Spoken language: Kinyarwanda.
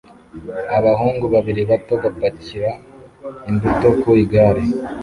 Abahungu babiri bato bapakira imbuto ku igare